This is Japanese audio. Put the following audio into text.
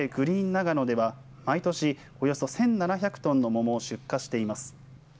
長野では毎年およそ１７００トンの桃を出荷しています。